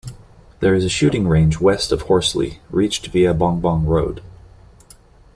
There is a shooting range west of Horsley reached via Bong Bong Road.